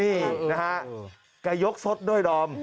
นี่นะฮะแกยกสดด้วยดอม